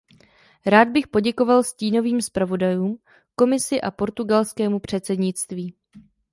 Rád bych poděkoval stínovým zpravodajům, Komisi a portugalskému předsednictví.